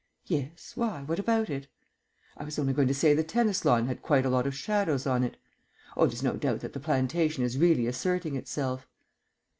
"Yes. Why, what about it?" "I was only going to say the tennis lawn had quite a lot of shadows on it. Oh, there's no doubt that the plantation is really asserting itself."